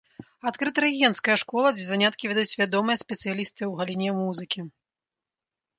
Адкрыта рэгенцкая школа, дзе заняткі вядуць вядомыя спецыялісты ў галіне музыкі.